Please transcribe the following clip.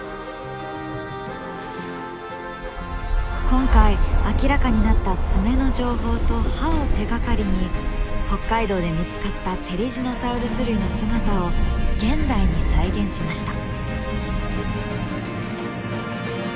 今回明らかになった爪の情報と歯を手がかりに北海道で見つかったテリジノサウルス類の姿を現代に再現しました。